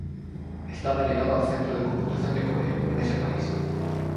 Está delegado al Centro de Computación de Corea, en ese país.